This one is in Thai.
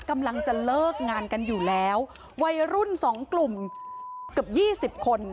กำลังจะเลิกงานกันอยู่แล้ววัยรุ่นสองกลุ่มเกือบยี่สิบคน